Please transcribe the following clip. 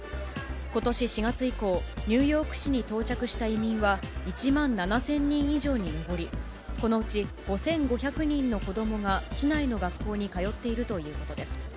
ことし４月以降、ニューヨーク市に到着した移民は、１万７０００人以上に上り、このうち５５００人の子どもが、市内の学校に通っているということです。